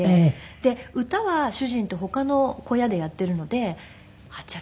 で歌は主人と他の小屋でやっているのでじゃあ